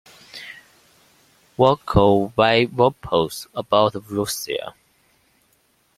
Vakaus vai vapaus about Russia.